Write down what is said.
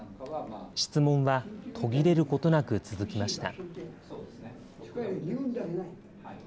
質問は途切れることなく続きました。